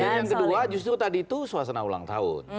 yang kedua justru tadi itu suasana ulang tahun